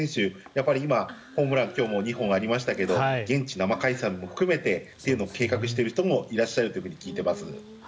やっぱり今、ホームラン今日も２本ありましたけど現地生観戦も含めて計画している人もいらっしゃると聞いています。